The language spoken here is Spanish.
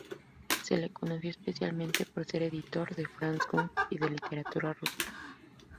Se le conoció especialmente por ser editor de Franz Jung y de literatura rusa.